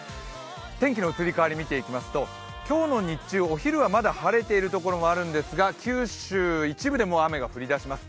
天気の移り変わり見ていきますと今日の日中、お昼はまだ晴れているところもあるんですが九州の一部でもう雨が降り出します。